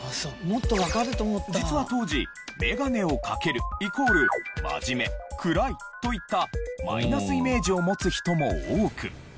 実は当時メガネを掛けるイコール真面目暗いといったマイナスイメージを持つ人も多く。